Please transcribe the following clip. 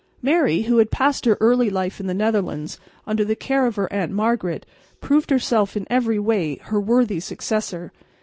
Mary, who had passed her early life in the Netherlands under the care of her aunt Margaret, proved herself in every way her worthy successor.